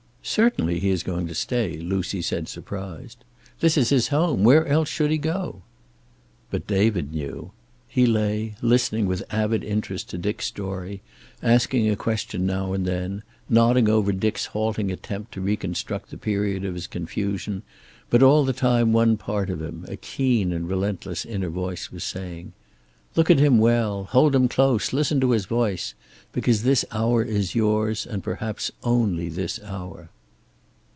"Certainly he is going to stay," Lucy said, surprised. "This is his home. Where else should he go?" But David knew. He lay, listening with avid interest to Dick's story, asking a question now and then, nodding over Dick's halting attempt to reconstruct the period of his confusion, but all the time one part of him, a keen and relentless inner voice, was saying: "Look at him well. Hold him close. Listen to his voice. Because this hour is yours, and perhaps only this hour."